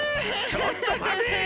ちょっと待て！